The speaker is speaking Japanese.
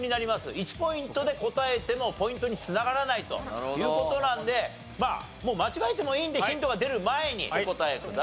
１ポイントで答えてもポイントに繋がらないという事なのでもう間違えてもいいのでヒントが出る前にお答えください。